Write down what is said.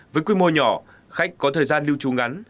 với quy mô nhỏ khách có thời gian lưu trú ngắn